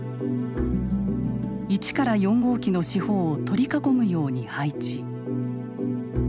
１から４号機の四方を取り囲むように配置。